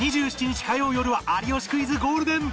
２７日火曜よるは『有吉クイズ』ゴールデン